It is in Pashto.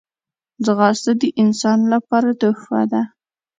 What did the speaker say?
ځغاسته د ځان لپاره تحفه ده